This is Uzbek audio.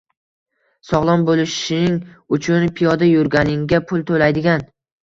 Sog‘lom bo‘lishing uchun piyoda yurganingga pul to‘laydigan